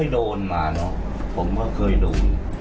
โดนมาเนอะผมก็เคยโดน